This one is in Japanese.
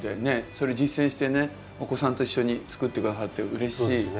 ねっそれ実践してねお子さんと一緒に作って下さってうれしい。